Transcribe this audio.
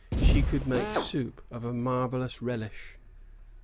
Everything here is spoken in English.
107 she could make soup of a marvellous relish."